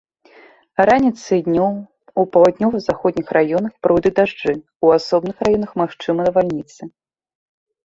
Раніцай і днём у паўднёва-заходніх раёнах пройдуць дажджы, у асобных раёнах магчымы навальніцы.